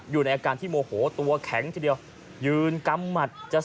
อยู่ในอาการที่โมโหตัวแข็งทีเดียวยืนกำหมัด